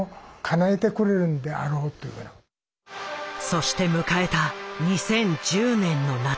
そして迎えた２０１０年の夏。